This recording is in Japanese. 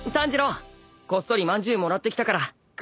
こっそりまんじゅうもらってきたから食おうぜ！